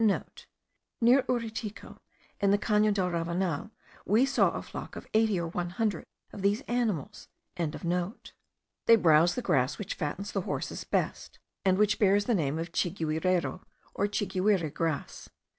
(* Near Uritucu, in the Cano del Ravanal, we saw a flock of eighty or one hundred of these animals.) They browze the grass which fattens the horses best, and which bears the name of chiguirero, or chiguire grass.